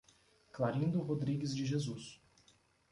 Clarindo Rodrigues de Jesus